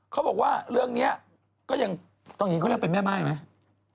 เขาบอกว่าเรื่องนี้ก็ยังตอนนี้เขาเรียกเป็นแม่ม่ายไหม